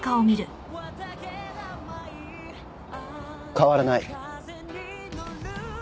変わらない。